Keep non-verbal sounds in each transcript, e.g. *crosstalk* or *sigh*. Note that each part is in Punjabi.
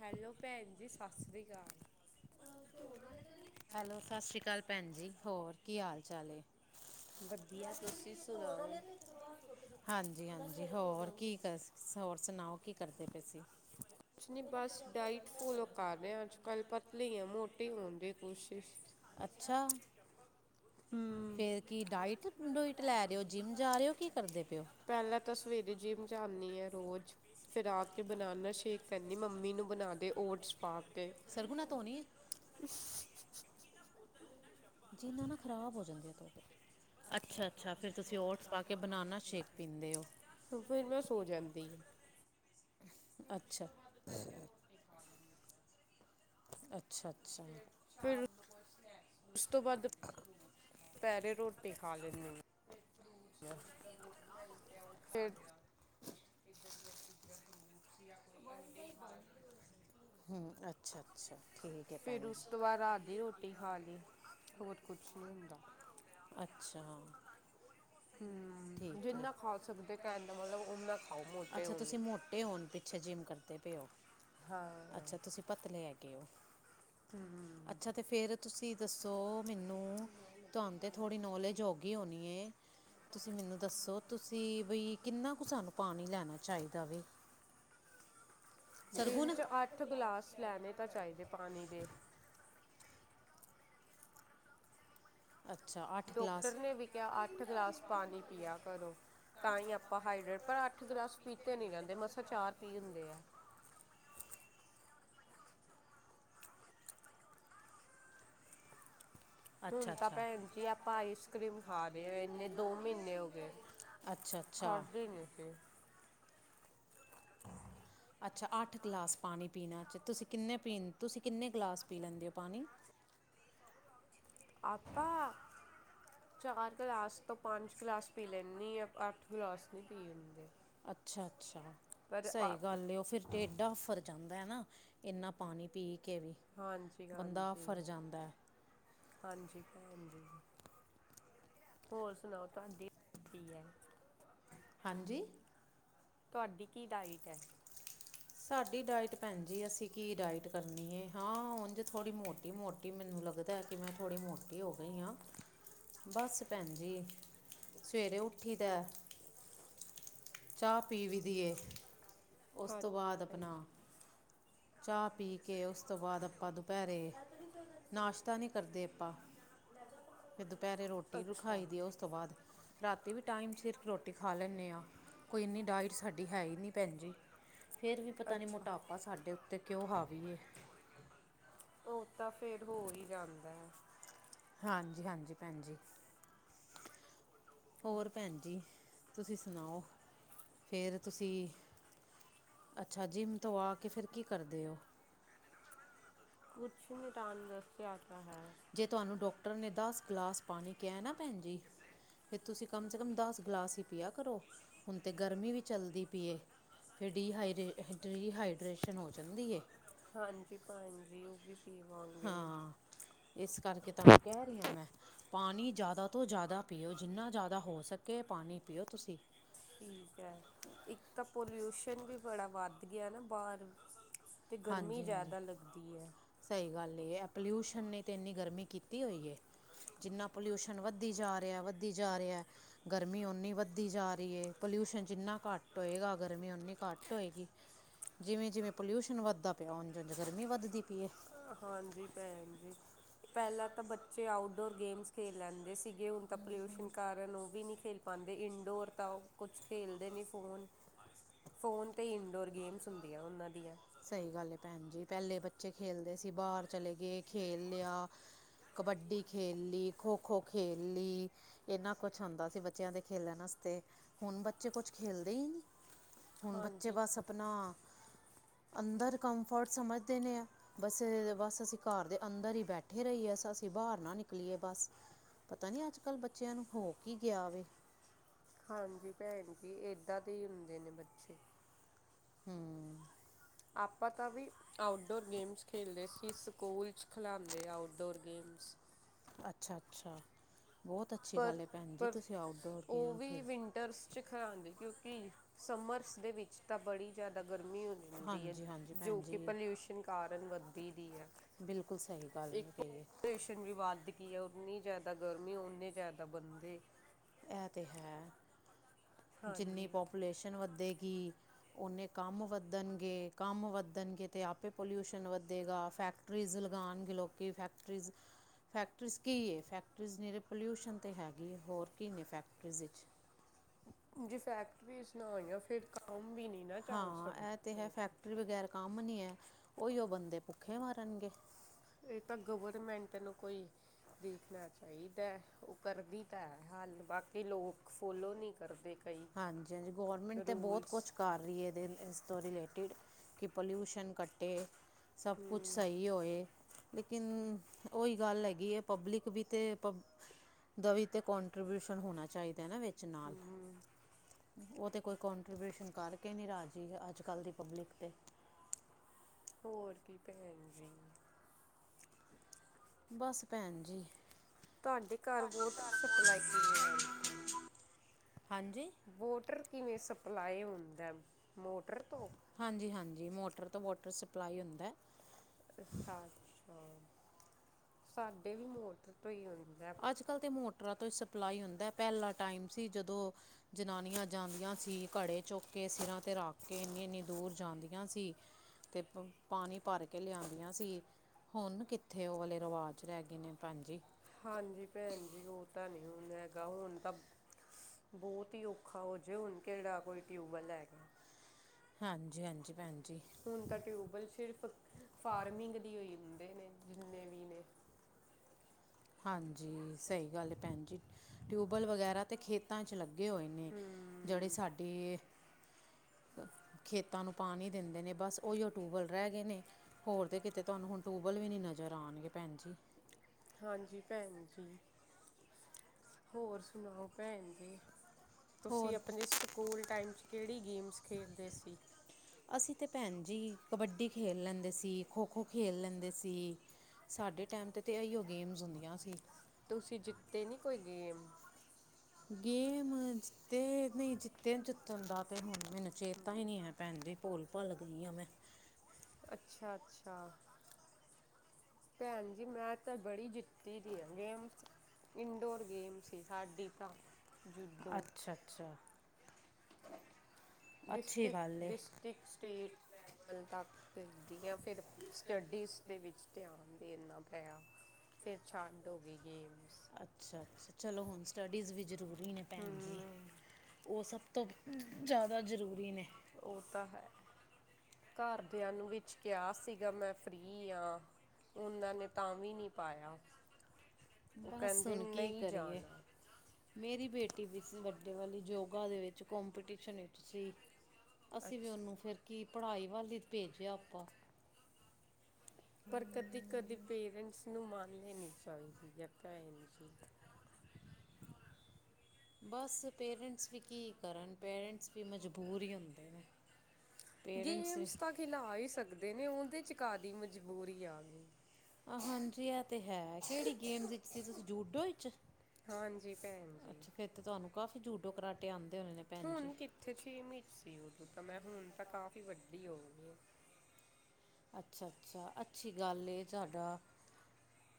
ਹੈਲੋ ਭੈਣ ਜੀ ਸਤਿ ਸ੍ਰੀ ਅਕਾਲ ਹੈਲੋ ਸਤਿ ਸ਼੍ਰੀ ਅਕਾਲ ਭੈਣ ਜੀ ਹੋਰ ਕੀ ਹਾਲ- ਚਾਲ ਐ? ਵਧੀਆ ਤੁਸੀਂ ਸੁਣਾਓ ਹਾਂਜੀ- ਹਾਂਜੀ ਹੋਰ ਕੀ ਕਰ, ਹੋਰ ਸੁਣਾਓ ਕੀ ਕਰਦੇ ਪਏ ਸੀਂ? ਕੁਛ ਨਹੀਂ ਬਸ ਡਾਇਟ ਫੋਲੋ ਕਰ ਰਹੇ ਅੱਜ ਕੱਲ ਪਤਲੀ ਹਾ, ਮੋਟੀ ਹੋਣ ਦੀ ਕੋਸ਼ਿਸ਼। ਅੱਛਾ! ਫੇਰ ਕੀ ਡਾਇਟ ਡੋਇਟ ਲੈ ਰਹੇ ਹੋ ਜਿੰਮ ਜਾ ਰਹੇ ਹੋ, ਕੀ ਕਰਦੇ ਪਿਓ? ਪਹਿਲਾਂ ਤਾਂ ਸਵੇਰੇ ਜਿੰਮ ਜਾਂਦੀ ਆ, ਰੋਜ਼। ਫੇਰ ਆ ਕੇ ਬਣਾਉਣਾ ਸ਼ੇਕ ਕਰਨੀ ਮੰਮੀ ਨੂੰ ਬਣਾ ਦੇ, ਓਟਸ ਪਾ ਕੇ। ਸਰਗੁਨਾ ਧੋਨੀ, ਅੱ *unintelligible* ਜਿਨਾ ਨਾ ਖ਼ਰਾਬ ਹੋ ਜਾਂਦੇ ਆ, ਤੋਤੇ। ਅੱਛਾ- ਅੱਛਾ ਫੇਰ ਤੁਸੀਂ ਓਟਸ ਪਾ ਕੇ ਬਨਾਨਾ ਸ਼ੇਕ ਪੀਂਦੇ ਹੋ। ਤੇ ਫੇਰ ਮੈਂ ਸੋ ਜਾਂਦੀ ਆ। ਅੱਛਾ। ਅੱਛਾ- ਅੱਛਾ ਜ, ਫੇਰ ਉਸ ਤੋਂ ਬਾਅਦ ਦੁਪਹਿਰੇ ਰੋਟੀ ਖਾ ਲੈਂਦੇ ਆ। ਫੇਰ ਇਦਾਂ ਦੀ *unintelligible* ਹੂੰ ਅੱਛਾ- ਅੱਛਾ ਠੀਕ। ਹੈ ਫੇਰ ਭੈਣ ਉਸ ਜੀ ਤੋਂ ਬਾਅਦ ਰਾ ਦੀ ਰੋਟੀ ਖਾ ਲਈ, ਹੋਰ ਕੁਛ ਨੀ ਹੁੰਦਾ। ਅੱਛਾ। ਹੂੰ। ਠੀਕ ਹੈ ਜਿਨਾ ਖਾ ਸਕਦੇ ਕਹਿਣ ਦਾ ਮਤਲਬ ਓਨਾ ਖਾਓ ਮੋਟੇ ਹੋਣ ਲਈ। ਪੇ ਓਫ ਹਾਂ। ਅੱਛਾ ਤੁਸੀਂ ਪਤਲੇ ਹੈ ਗੇ ਓ। ਅੱਛਾ ਤੇ ਫੇਰ ਤੁਸੀਂ ਦੱਸੋ ਮੈਨੂੰ ਤੁਹਾਨ ਤੇ, ਥੋੜੀ ਨੌਲੇਜ ਹੋ ਗਈ ਹੋਣੀ ਐ, ਤੁਸੀਂ ਮੈਨੂੰ ਦੱਸੋ। ਤੁਸੀਂ ਬਈ ਕਿੰਨਾ ਕੁ ਸਾਨੂੰ ਪਾਣੀ ਲੈਣਾ ਚਾਹੀਦਾ ਵੇ, ਦਿਨ ' ਸਰਗੁਣ ਚ ਅੱਠ ਗਲਾਸ ਲੈਣੇ ਤਾਂ ਚਾਹੀਦੇ ਪਾਣੀ ਦੇ। ਅੱਛਾ ਆ- ਡਾਕਟਰ ਨੇ ਵਿ ਕਿਆ ਅੱਠ ਗਲਾਸ ਪਾਣੀ ਪੀਆ ਕਰੋ। ਤਾਂ ਹੀ ਆਪਾਂ ਹਾਈਡਰੇਟ ਪਰ ਅੱਠ ਗਲਾਸ ਪੀਤੇ ਨੀ ਰਹਿੰਦੇ ਮਸਾ ਚਾਰ ਪੀ ਹੁੰਦੇ ਏ। ਅੱਛਾ ਹੁਣ ਤਾਂ ਅੱਛਾ ਪੈਣ ਜੀ ਆਪਾਂ ਆਈਸ ਕਰ੍ਰੀਮ ਖਾ ਰਹੇ। ਇੰਨੇ ਦੋ ਮਹੀਨੇ ਹੋ ਗਏ। ਅੱਛਾ ਖਾ ਅੱਛਾ ਦੀ ਨੀ ਸੀ। ਅੱਛਾ ਅੱਠ ਗਲਾਸ ਪਾਣੀ ਪੀਣਾ 'ਚ ਤੁਸੀਂ ਕਿੰਨੇ ਪੀ, ਤੁਸੀਂ ਕਿੰਨੇ ਗਲਾਸ ਪੀ ਲੈਂਦੇ ਹੋ ਪਾਣੀ? ਆਪਾਂ ਚਾਰ ਗਲਾਸ ਤੋਂ ਪੰਜ ਗਲਾਸ ਪੀ ਲੈਂਦੀ ਆਂ ਅੱਠ ਗਲਾਸ ਨੀ ਪੀ ਹੁੰਦੇ। ਅੱਛਾ-ਅੱਛਾ ਪਰ ਸਹੀ ਆ- ਗੱਲ ਐ, ਉਹ ਫੇਰ ਡੇਡ ਆਫਰ ਜਾਂਦਾ ਐ ਨਾ, ਇੰਨਾ ਪਾਣੀ ਪੀ ਕੇ ਵੀ। ਹਾਂਜੀ ਹਾਂਜੀ ਬੰਦਾ ਆਫਰ ਜਾਂਦਾ ਐ। ਹਾਂਜੀ ਭੈਣਜੀ। ਹੋਲ ਸੁਣਾਓ ਤੁਹਾਡੇ ਕੀ ਐ? ਹਾਂਜੀ? ਤੁਹਾਡੀ ਕੀ ਡਾਇਟ ਐ? ਸਾਡੀ ਡਾਇਟ ਭੈਣ ਜੀ ਅਸੀਂ ਕੀ ਡਾਇਟ ਕਰਨੀ ਏ ਹਾਂ ਉਂਝ ਥੋੜੀ ਮੋਟੀ ਮੋਟੀ ਮੈਨੂੰ ਲੱਗਦਾ ਆ ਕਿ ਮੈਂ ਥੋੜੀ ਮੋਟੀ ਹੋ ਗਈ ਆ ਬਸ ਭੈਣ ਜੀ ਸਵੇਰੇ ਉੱਠੀ ਦਾ ਚਾਹ ਪੀ ਵੀ ਦੀਏ ਉਸ ਤੋਂ ਬਾਦ ਹਾਂਜੀ ਆਪਨਾ ਚਾਹ ਪੀ ਕੇ ਉਸ ਤੋਂ ਬਾਦ ਆਪਾਂ ਦੁਪਹਿਰੇ ਨਾਸ਼ਤਾ ਨੀ ਕਰਦੇ ਆਪਾਂ ਫੇਰ ਦੁਪਹਿਰੇ ਰੋਟੀ ਅੱਛਾ ਰਖਾਈ ਦੀ ਉਸ ਤੋਂ ਬਾਅਦ ਰਾਤੀ ਵੀ ਟਾਈਮ ਸਿਰ ਰੋਟੀ ਖਾਂ ਲੈਣੇ ਆ ਕੋਈ ਇੰਨੀ ਡਾਇਟ ਸਾਡੀ ਹੈ ਹੀ ਨੀ ਭੈਣਜੀ ਫੇਰ ਵੀ ਪਤਾ ਨੀ ਅੱਛਾ ਮੋਟਾਪਾ ਸਾਡੇ ਤੇ ਕਿਉਂ ਹਾਵੀਏ ਓ ਤਾਂ ਫੇਰ ਹੋ ਹੀ ਜਾਂਦਾ। ਹਾਂਜੀ, ਹਾਂਜੀ ਭੈਣ ਜੀ। ਹੋਰ ਭੈਣ ਜੀ ਤੁਸੀਂ ਸੁਣਾਓ ਫੇਰ ਤੁਸੀਂ? ਅੱਛਾ ਜਿੰਮ ਤੋਂ ਆ ਕੇ ਫੇਰ ਕੀ ਕਰਦੇ ਹੋ? ਕੁਛ ਨੀ ਦਾਨ ਵਾਸਤੇ ਆਟਾ ਪਾਇਆ ਸੀ। ਜੇ ਤੁਹਾਨੂੰ ਡਾਕਟਰ ਨੇ ਦਸ ਗਲਾਸ ਪਾਨੀ ਕੇਹਾ ਨਾ ਭੈਣ ਜੀ ਫੇਰ ਤੁਸੀਂ ਕਮ ਸੇ ਕਮ ਦਸ ਗਲਾਸ ਹੀ ਪੀਆ ਕਰੋ ਹੁਣ ਤੇ ਗਰਮੀ ਵੀ ਚੱਲਦੀ ਪੀਏ ਫਿਰ ਡਹਾ ਡੀਹਾਈਡ੍ਰੇਸ਼ਨ ਹੋ ਜਾਂਦੀ ਏ ਹਾਂਜੀ ਭੈਣਜੀ। ਹਾਂ ਇਸ ਕਰਕੇ ਤਾਂ ਕਹਿ ਰਹੀ ਹਾਂ ਮੈਂ ਪਾਨੀ ਜ਼ਿਆਦਾ ਤੋਂ ਜ਼ਿਆਦਾ ਪੀਓ ਜਿੰਨਾ ਜ਼ਿਆਦਾ ਹੋ ਸਕੇ ਪਾਨੀ ਪੀਓ ਤੁਸੀਂ ਠੀਕ ਐ। ਇੱਕ ਤਾਂ ਪੋਲਿਊਸ਼ਨ ਵੀ ਬੜਾ ਵੱਧ ਗਿਆ ਨਾ ਬਾਰ ਤੇ ਗਰਮੀ ਜ਼ਿਆਦਾ ਲੱਗਦੀ ਆ ਸਈ ਗੱਲ ਏ ਐ ਪੋਲਿਊਸ਼ਨ ਨੇ ਤਾਂ ਇੰਨੀ ਗਰਮੀ ਕੀਤੀ ਹੋਈ ਆ ਜਿੰਨਾ ਪੋਲਿਊਸ਼ਨ ਵੱਧੀ ਜਾ ਰਿਹਾ ਵੱਧੀ ਜਾ ਰਿਹਾ ਗਰਮੀ ਓਨੀ ਵਦੀ ਜਾ ਰਹੀ ਏ ਪੋਲਿਊਸ਼ਨ ਜਿੰਨਾ ਘੱਟ ਹੋਏਗਾ ਗਰਮੀ ਉਨੀ ਘੱਟ ਘਟ ਹੋ ਏਗੀ ਜਿਵੇਂ, ਜਿਵੇਂ ਪੋਲਿਊਸ਼ਨ ਵੱਧਦਾ ਪਿਆ ਉਝ, ਉਝ ਗਰਮੀ ਵੱਧਦੀ ਪਈ ਆ ਹਾਂਜੀ ਭੈਣ ਜੀ। ਪਹਿਲਾਂ ਤਾਂ ਬੱਚੇ ਆਊਟਡੋਰ ਗੇਮਸ ਖੇਲ ਲੈਂਦੇ ਸੀਗੇ ਹੁਣ ਤਾਂ ਪੋਲਿਊਸ਼ਨ ਕਾਰਨ ਓ ਵੀ ਨੀ ਖੇਲ ਪਾਂਦੇ ਇੰਡੋਰ ਤਾਂ ਓ ਕੁਛ ਖੇਲਦੇ ਨੀ ਫੋਨ ਫੋਨ ਤੇ ਇੰਡੋਰ ਗੇਮਸ ਹੁੰਦੀਆਂ ਉਨਾਂ ਦੀਆਂ ਸਈ ਗੱਲ ਆ ਭੈਣ ਜੀ ਪਹਿਲੇ ਬੱਚੇ ਖੇਲਦੇ ਸੀ, ਬਾਰ ਚਲੇ ਗਏ ਖੇਲ ਲਿਆ ਕਬੱਡੀ ਖੇਲ ਲਈ, ਖੋ-ਖੋ ਖੇਲ ਲਈ। ਇਨਾ ਕੁਛ ਹੁੰਦਾ ਸੀ ਬੱਚਿਆਂ ਦੇ ਖੇਲਣ ਵਾਸਤੇ ਹੁਣ ਬੱਚੇ ਕੁਛ ਖੇਲਦੇ ਹੀ ਨੀ ਹੁਣ ਬੱਚੇ ਹਾਂਜੀ ਬਸ ਆਪਣਾ ਅੰਦਰ ਕੰਫਰਟ ਸਮਝਦੇ ਨੇ ਆ ਬਸ ਬਸ ਅਸੀਂ ਘਰ ਦੇ ਅੰਦਰ ਹੀ ਬੈਠੇ ਰਹੀਏ ਅਸੀਂ ਬਾਰ ਨਾ ਨਿਕਲੀਏ ਬਸ ਪਤਾ ਨੀ ਅੱਜ-ਕੱਲ ਬੱਚਿਆਂ ਨੂੰ ਹੋ ਕੀ ਗਿਆ ਵੇ ਹਾਂਜੀ ਭੈਣ ਜੀ ਏਦਾਂ ਦੇ ਹੀ ਹੁੰਦੇ ਨੇ ਬੱਚੇ ਹੂੰ। ਆਪਾਂ ਤਾਂ ਵੀ ਆਊਟ ਡੋਰ ਗੇਮਸ ਖੇਲਦੇ ਸੀ ਸਕੂਲ 'ਚ ਖਲਾਂਦੇ ਆਊਟਡੋਰ ਗੇਮਸ ਅੱਛਾ, ਅੱਛਾ ਬਹੁਤ ਅੱਛੀ ਗੱਲ ਪਰ ਆ ਭੈਣ ਜੀ ਪਰ ਤੁਸੀਂ ਆਊਟਡੋਰ ਉਹ ਗੇਮ ਖੇਲਦੇ *unintelligible* ਕਿਉਂਕਿ ਸਮਰਸ ਦੇ ਵਿੱਚ ਤਾਂ ਬੜੀ ਜ਼ਿਆਦਾ ਗਰਮੀ ਹੁੰਦੀ ਆ, ਹਾਂਜੀ ਹਾਂਜੀ ਜੋ ਭੈਣ ਕਿ ਜੀ ਪਲਿਊਸ਼ਨ ਕਾਰਨ ਵੱਧਦੀ ਦੀ ਐ ਬਿਲਕੁਲ ਸਹੀ ਗੱਲ ਇੱਕ ਓ ਕਹੀ ਹੈ ਪਲਿਊਸਨ ਵੀ ਵਧ। ਕੇਓਕੀ ਓਨੀ ਜਾਦਾ ਗਰਮੀ ਓਨੇ ਜਾਦਾ ਬੰਦੇ। ਐ ਤੇ ਹੈ, ਜੀਨੀ ਹਾਂਜੀ ਪੋਪਲੇਸ਼ਨ ਵੱਧੇਗੀ ਓਨੇ ਕੰਮ ਵੱਦਣਗੇ, ਕੰਮ ਵੱਦਣਗੇ ਤੇ ਆਪੇ ਪਲਊਸ਼ਨ ਵੱਦੇਗਾ, ਫੈਕ ਫੈਕਟਰੀਜ਼ ਲਗਾਣ ਗੇ ਲੋਕੀ, ਫੈਕਟਰੀਜ਼ ਫੈ ਫੈਕਟਰੀਜ਼ ਕੀ ਹੈ, ਫੈਕਟਰੀਜ਼ ਨਿਰੇ ਪਲਊਸ਼ਨ ਹੈਗੀ ਹੋਰ ਕੀ ਨੇ ਫੈਕਟਰੀਜ਼ ਵੇਚ। ਜੇ ਫੈਕਟਰੀਜ਼ ਨਾ ਆਈ, ਫਿਰ ਕੰਮ ਵੀ ਨਹੀਂ ਨਾ ਚੱਲ ਹਾਂ ਇਹ ਤਾਂ ਸਕਦਾ ਹੈ ਫੈਕਟਰੀ ਬਗੈਰ ਕੰਮ ਨਈ ਐ, ਓਈਓ ਬੰਦੇ ਭੁੱਖੇ ਮਾਰਨਗੇ ਏ ਤਾਂ ਗਵਰਮੈਂਟ ਨੂੰ ਕੋਈ ਦੇਖਣਾ ਚਾਈਦਾ, ਓ ਕਰਦੀ ਤਾਂ ਹੈ ਹੱਲ, ਬਾਕੀ ਲੋਕ ਫੋਲੋ ਨਈ ਕਰਦੇ। ਕਈ ਹਾਂਜੀ-ਹਾਂਜੀ, ਗੌਰਮੈਂਟ ਤਾਂ ਤੇ ਬੋਤ ਰੂਲਸ ਕੁਛ ਕਰ ਰੀ ਐ, ਏਸ ਤੋਂ ਰਲੇਟੀਡ ਕੇ ਪਲਊਸ਼ਨ ਘੱਟੇ, ਸਭ ਕੁਛ ਸਈ ਹੋਏ, ਲੇਕੀਨ ਓਈ ਗੱਲ ਹੈਗੀ ਐ ਪਬਲੀਕ ਵੀ ਤੇ ਪਬ ਦਵੀ ਤੇ ਕੋਂਟਰੀਬੇਊਸ਼ਨ ਹੋਣਾ ਚਾਈਦਾ ਨਾ ਵੇਚ ਨਾਲ। ਹਮ, ਓ ਤੇ ਕੋਈ ਕੋਟਰਬੇਊਸ਼ਨ ਕਰਕੇ ਨੀ ਰਾਜੀ, ਅੱਜ-ਕੱਲ ਦੀ ਪਬਲੀਕ ਤੇ। ਹੋਰ ਕੀ ਭੈਣ ਜੀ। ਬਸ ਭੈਣ ਜੀ ਧਾਡੇ ਘਰ ਵੋਟਰ ਸਪਲਾਈ ਕੀਵੇਂ ਆਂਦਾ? ਹਾਂਜੀ ਵੋਟਰ ਕੀਵੇਂ ਸਪਲਾਈ ਹੁੰਦੈ ਮੋਟਰ ਤੋ? ਹਾਂਜੀ-ਹਾਂਜੀ ਮੋਟਰ ਤੋਂ ਵੋਟਰ ਸਪਲਾਈ ਹੁੰਦੈ। ਅੱਛਾ-ਅੱਛਾ, ਸਾਡੇ ਵੀ ਮੋਟਰ ਤੋਂ ਈ ਹੁੰਦੈ। ਅੱਜ-ਕੱਲ ਤਾਂ ਮੋਟਰਾਂ ਤੋਂ ਈ ਸਪਲਾਈ ਹੁੰਦਾ, ਪੈਲਾ ਟਾਈਮ ਸੀ ਜਦੋਂ ਜਨਾਨੀਆਂ ਜਾਂਦੀਆਂ ਸੀ, ਘੜੇ ਚੁੱਕ ਕੇ ਸੀਰਾਂ ਤੇ ਰੱਖ ਕੇ ਏਨੀ-ਏਨੀ ਦੂਰ ਜਾਂਦੀਆਂ ਸੀ ਤੇ ਪ ਪਾਣੀ ਭਰ ਕੇ ਲੇਆਦੀਆਂ ਸੀ, ਹੋਨ ਕੀਥੇ ਓ ਵਾਲੇ ਰੀਵਾਜ਼ ਰੈ ਗਏ ਨੇ, ਭੈਣ ਜੀ। ਹਾਂਜੀ ਭੈਣ ਜੀ ਓ ਤਾਂ ਨੀ ਹੁਨ ਹੈਗਾ ਹੁਨ ਤਾਂ ਬੋਤ ਈ ਔਖਾ ਹੋ ਜੇ ਹੁਨ ਕੇੜਾ ਕੋਈ ਟੀਊਬਵੈਲ ਹੈਗਾ ਐ। ਹਾਂਜੀ-ਹਾਂਜੀ, ਭੈਣ ਜੀ। ਹੁਣ ਤਾਂ ਟੀਊਬਵੈੱਲ ਸੀਰਫ ਫਾਰਮੀਂਗ ਦੀ ਹੋਈ ਹੁੰਦੇ ਨੇ, ਜੀਨੇ ਵੀ ਨੇ। ਹਾਂਜੀ ਸਈ ਗੱਲ ਭੈਣ ਜੀ, ਟੀਊਬਵੈੱਲ ਵਗੈਰਾ ਤਾਂ ਖੇਤਾਂ ਚ ਲੱਗੇ ਹੋਏ ਨੇ ਹੂੰ ਜੇੜੀ ਸਾਡੀ ਏ ਖੇਤਾ ਨੂੰ ਪਾਣੀ ਦੀਂਦੇ ਨੇ, ਬਸ ਓਈਓ ਟੀਊਬਵੈਲ ਰੈ ਗਏ ਨੇ। ਹੋਰ ਤੇ ਕੀਤੇ ਧੋਆਨੂੰ ਹੁਨ ਟੀਊਬਵੈਲ ਵੀ ਨੀ ਨਜ਼ਰ ਆਣਗੇ ਭੈਣ ਜੀ। ਹਾਂਜੀ ਭੈਣ ਜੀ। ਹੋਰ ਸੁਣਾਓ ਭੈਣ ਜੀ? ਤੁਸੀਂ ਹੋਰ ਆਪਣੇ ਸਕੂਲ ਟਾਈਮ ਚ ਕੇੜੀ ਗੇਮਸ ਖੇਡਦੇ ਸੀ? ਅਸੀਂ ਤੇ ਭੈਣ ਜੀ, ਕਬੱਡੀ ਖੇਲ ਲੈਂਦੇ ਸੀ, ਖੋ-ਖੋ ਖੇਲ ਲੈਂਦੇ ਸੀ ਸਾਡੇ ਟਾਈਮ ਤੇ ਤੇ ਐਈਓ ਗੇਮਸ ਹੁੰਦੀਆਂ ਸੀ। ਤੁਸੀਂ ਜੀਤੇ ਨੀ ਕੋਈ ਗੇਮ? ਗੇਮ ਜੀਤੇ ਨਈ ਜੀਤੇ ਜੀਤਣ ਦਾ ਤਾਂ ਹੁਣ ਮੈਨੂੰ ਚੇਤਾ ਈ ਨੀ ਐ ਭੈਣ ਜੀ ਭੋਲ ਭੁੱਲ ਗਈਆਂ ਮੈਂ। ਅੱਛਾ-ਅੱਛਾ। ਭੈਣ ਜੀ ਮੈਂ ਤਾਂ ਬੜੀ ਜੀਤੀ ਦੀ ਆ ਗੇਮਸ। ਇੰਨਡੋਰ ਗੇਮ ਸੀ ਸਾਡੀ ਤਾਂ। ਜੂਡੋ ਅਛਾ-ਛਾ। ਡੀਸਟੀਕ, ਗੱਲ ਏ, ਡੀਸਟੀਕ ਸਟੇਟ ਦਖ ਤੇ ਦਿੰਦੀ ਆ ਫਿਰ ਸਟੱਡੀਜ਼ ਦੇ ਵਿੱਚ ਧਿਆਨ ਦੇਨਾ ਪਿਆ। ਫੇਰ ਸ਼ਾਂਤ ਹੋ ਗਈ ਗੇਮਜ। ਅੱਛਾ ਅੱਛਾ ਚਲੋ ਹੁਣ ਸਟਡੀਜ਼ ਵੀ ਜ਼ਰੂਰੀ ਨੇ ਭੈਣ ਜੀ। ਉਹ ਸਭ ਤੋਂ ਜ਼ਿਆਦਾ ਜ਼ਰੂਰੀ ਨੇ। ਉਹ ਤਾਂ ਹੈ। ਘਰਦਿਆਂ ਨੂੰ ਵਿੱਚ ਕਿਹਾ ਸੀਗਾ ਮੈਂ ਫ੍ਰਰੀ ਆ ਉਹਨਾਂ ਨੇ ਤਾਂ ਵੀ ਨੀ ਪਾਇਆ। ਉਹ ਬਸ ਕਹਿੰਦੇ ਹੁਨ ਕੀ ਨਹੀਂ ਕਰੀਏ। ਜਾਣਾ ਮੇਰੀ ਬੇਟੀ ਵਿੱਚ ਵੱਡੇ ਵਾਲੇ ਯੋਗਾ ਦੇ ਵਿੱਚ ਕੋਂਪੀਟੀਸ਼ਨ ਵਿੱਚ। ਜੀ ਅਸੀਂ ਵੀ ਅੱਛਾ ਉਹਨੂੰ ਫੇਰ ਕੀ ਪੜ੍ਹਾਈ ਵੱਲ ਵੀ ਭੇਜਿਆ ਆਪਾਂ। ਪਰ ਕਦੀ ਕਦੀ ਪੇਰੈਂਟਸ ਨੂੰ ਮੰਨ ਲੈਣੀ ਚਾਹੀਦੀ ਹੈ ਭੈਣ ਜੀ। ਬਸ ਪੇਰੈਂਟਸ ਵੀ ਕੀ ਕਰਨ ਪੇਰੈਂਟਸ ਵੀ ਮਜਬੂਰ ਈ ਹੁੰਦੇ ਨੇ। ਪੇਰੈਂਟਸ ਗੇਮਸ ਤਾਂ ਖਿਲਾ ਈ ਸਕਦੇ ਨੇ ਉਹਦੇ 'ਚ ਕਾਹਦੀ ਮਜ਼ਬੂਰੀ ਆ ਗਈ। ਆ ਹਾਂਜੀ ਇਹ ਤੇ ਹੈ ਕਿਹੜੀ ਗੇਮ ਵਿਚ ਸੀ ਤੁਸੀਂ ਜੂਡੋ ਵਿਚ। ਹਾਂਜੀ ਭੈਣ ਜੀ। ਤੇ ਤੁਹਾਨੂੰ ਕਾਫੀ ਜੂਡੋ ਕਰਾਟੇ ਆਉਂਦੇ ਹੋਣੇ ਨੇ ਭੈਣ ਜੀ। ਉੱਥੇ ਛੇ ਚ ਸੀ ਉਦੋਂ ਤਾਂ ਮੈਂ ਹੁਣ ਤਾਂ ਕਾਫ਼ੀ ਵੱਡੀ ਹੋ ਗਈ ਆ। ਅੱਛਾ ਅੱਛਾ ਅੱਛੀ ਗੱਲ ਹੈ ਸਾਡਾ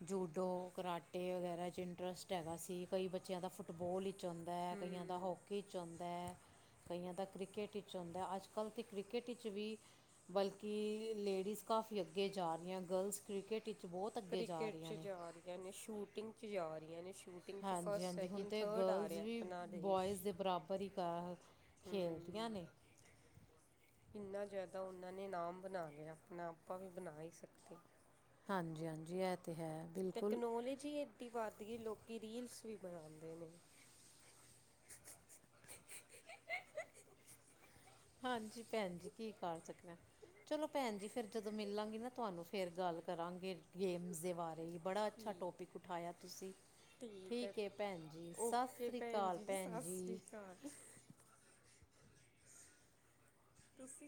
ਜੂਡੋ ਕਰਾਟੇ ਵਗੈਰਾ 'ਚ ਇੰਟਰਸਟ ਹੈਗਾ ਸੀ। ਕਈ ਬੱਚਿਆਂ ਦਾ ਫੁੱਟਬੋਲ ਵਿੱਚ ਹੁੰਦਾ ਹੈ ਕਈਆਂ ਦਾ ਹਮ ਹੋਕੀ ਹੋਕੀ ਚ ਆਉਦਾ ਕਈਆਂ ਦਾ ਕ੍ਰਿਕਟ ਚ ਆਉਦਾ ਹੈ ਅਜ ਕੱਲ੍ਹ ਤਾਂ ਕ੍ਰਿਕਟ ਚ ਵੀ ਬਲਕਿ ਲੇਡੀਜ਼ ਕਾਫੀ ਅੱਗੇ ਜਾ ਰਹੀਆ ਗਰਲਸ। ਕ੍ਰਿਕਟ ਵਿੱਚ ਬਹੁਤ ਅੱਗੇ ਜਾ ਰਹੀਆਂ ਨੇ। ਕਹਿਨੇ ਸ਼ੂਟਿੰਗ ' ਜਾ ਰਹੀਆਂ ਨੇ ਸ਼ੂਟ ਹਾਂਜੀ ਹਾਂਜੀ ਹੁਣ ਤੇ ਗਰਲਜ਼ ਵੀ ਆਪਣਾ ਦੇਸ਼ ਬੋਆਇਜ਼ ਦੇ ਬਰਾਬਰ ਹੀ *unintelligible* ਖੇਲਦੀਆਂ ਨੇ। ਕਿੰਨਾ ਜ਼ਿਆਦਾ ਉਹਨਾਂ ਨੇ ਨਾਮ ਬਣਾ ਲਿਆ ਆਪਣਾ ਆਪਾਂ ਵੀ ਬਣਾ ਹੀ ਸਕਦੇ। ਹਾਂਜੀ ਹਾਂਜੀ ਇਹ ਤੇ ਹੈ। ਬਿਲਕੁਲ ਤੈਕਨੋਲੋਜੀ ਐੱਡੀ ਵੱਧ ਗਈ ਲੋਕ ਰੀਲਸ ਵੀ ਬਣਾਉਂਦੇ ਨੇ। ਹਾਂਜੀ ਭੈਣ ਜੀ ਕੀ ਕਰ ਸਕਨੇ ਆ ਚਲੋ ਭੈਣ ਜੀ ਫਿਰ ਜਦੋਂ ਮਿਲਾਂਗੀ ਨਾ ਤੁਹਾਨੂੰ ਫਿਰ ਗੱਲ ਕਰਾਂਗੇ ਗੇਮਸ ਦੇ ਬਾਰੇ। ਬੜਾ ਅੱਛਾ ਠੀਕ ਟੋਪਿਕ ਉਠਾਇਆ ਤੁਸੀਂ। ਠੀਕ ਏ ਭੈਣ ਜੀ ਸਤਿ ਓਕੇ ਸ੍ਰੀ ਅਕਾਲ ਜੀ ਭੈਣ ਸਤਿ ਸ਼੍ਰੀ ਜੀ। *unintelligible* ਤੁਸੀਂ ਫੇਰ